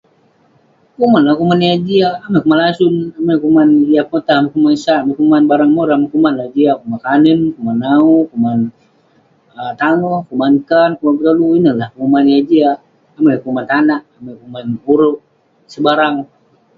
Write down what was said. Kuman lah penguman yah jiak, amai kuman lasun, amai kuman yah potah, amai kuman yah sat, amai kuman barang moram. Kuman lah jaik, kuman kanen, kuman nawu, kuman ah tangoh, kuman kaanc kuman betolu. Ineh lah penguman yah jiak. Amai kuman tanak, amai kuman urouk sebarang.